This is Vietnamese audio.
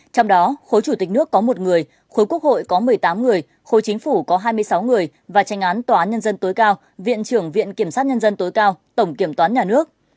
trong đó khối chủ tịch nước có một người khối quốc hội có một mươi tám người khối chính phủ có hai mươi sáu người và tranh án tòa án nhân dân tối cao viện trưởng viện kiểm sát nhân dân tối cao tổng kiểm toán nhà nước